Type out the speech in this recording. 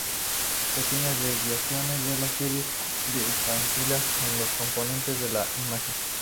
Pequeñas desviaciones de la serie de estampillas en los componentes de la imagen.